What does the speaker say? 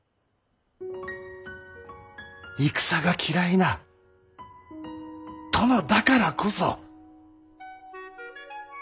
戦が嫌いな殿だからこそ。